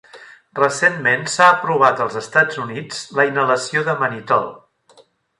Recentment s'ha aprovat als Estats Units la inhalació de manitol.